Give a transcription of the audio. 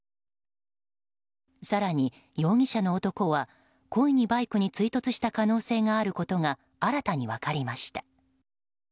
更に、容疑者の男は故意にバイクに追突した可能性があることが新たに分かりました。